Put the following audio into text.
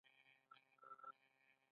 اجازه یې نه راکوله.